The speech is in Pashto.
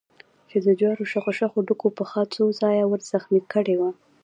چې د جوارو شخو شخو ډکو پښه څو ځایه ور زخمي کړې وه.